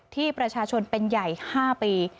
ที่ประชาชนเป็นใหญ่๕ปี